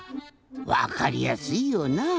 わかりやすいよなぁ。